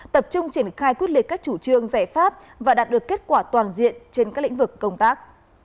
tập trung triển khai quyết liệt các chủ trương giải pháp và đạt được kết quả toàn diện trên các lĩnh vực công tác